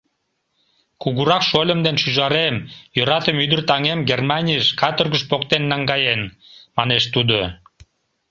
Кугурак шольым ден шӱжарем, йӧратыме ӱдыр таҥем Германийыш, каторгыш, поктен наҥгаен, — манеш тудо.